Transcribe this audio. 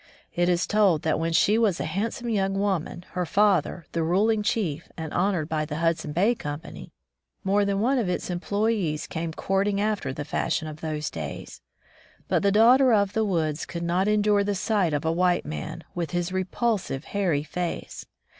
It is told that when she was a handsome young woman, her father the ruling chief and hon ored by the Hudson Bay Company, more than one of its employees came courting after the fashion of those days. But the daughter of the woods could not endure the sight of a white man, with his repulsive hairy face.